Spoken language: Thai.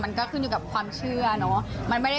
มันก็ขึ้นอยู่กับความเชื่อเนอะ